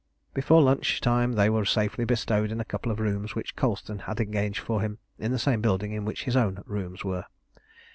Before lunch time they were safely bestowed in a couple of rooms which Colston had engaged for him in the same building in which his own rooms were.